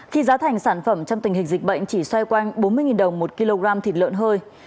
khi giá thành sản phẩm trong tình hình dịch bệnh chỉ xoay quanh bốn mươi đồng một kg thịt lợn hơi